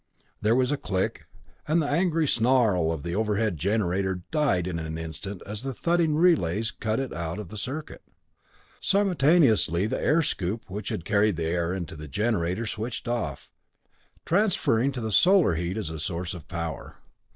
There was a click, and the angry snarl of the overworked generator died in an instant as the thudding relays cut it out of the circuit. Simultaneously the air scoop which had carried air to the generator switched off, transferring to solar heat as a source of power.